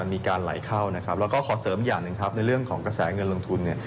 มีการไหลเข้านะครับแล้วก็ขอเสริมอย่างหนึ่งครับในเรื่องของกระแสเงินลงทุนเนี่ย